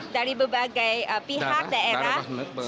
dari berbagai pihak daerah